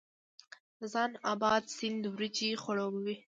د خان اباد سیند وریجې خړوبوي